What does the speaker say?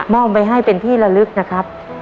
มอบไว้ให้เป็นที่ละลึกนะครับ